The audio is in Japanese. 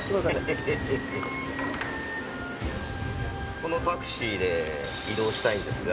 このタクシーで移動したいんですが。